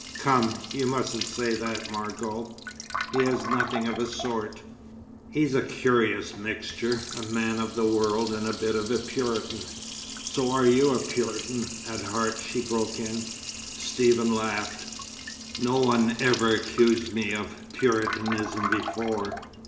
"Come, you mustn't say that, Margot. He has nothing of the sort. He's a curious mixture. A man of the world, and a bit of a Puritan " "So are you a Puritan, at heart," she broke in. Stephen laughed. "No one ever accused me of Puritanism before."